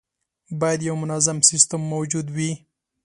باید یو منظم سیستم موجود وي.